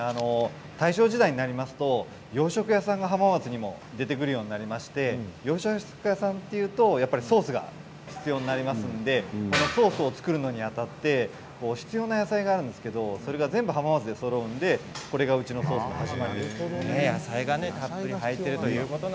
大正時代になりますと洋食屋さんが浜松にも出てくるようになりまして洋食屋さんはやっぱりソースが必要になりますのでソースを作るのにあたって必要な野菜があるんですがそれが全部浜松でそろうのでそれが始まりです。